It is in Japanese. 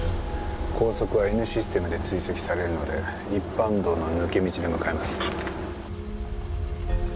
高速はＮシステムで追跡されるので一般道の抜け道で向かいます。